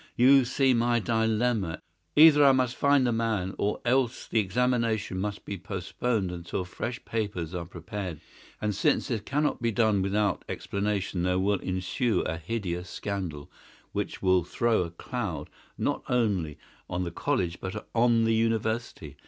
You see my dilemma. Either I must find the man or else the examination must be postponed until fresh papers are prepared, and since this cannot be done without explanation there will ensue a hideous scandal, which will throw a cloud not only on the college, but on the University.